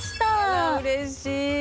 あらうれしい！